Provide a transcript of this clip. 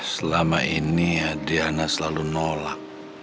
selama ini diana selalu nolak